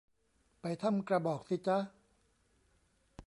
ไปถ้ำกระบอกสิจ๊ะ